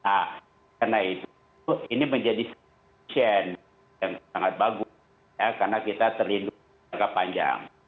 nah karena itu ini menjadi chain yang sangat bagus karena kita terlindung jangka panjang